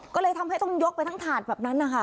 ก็เลยทำให้ต้องยกไปทั้งถาดแบบนั้นนะคะ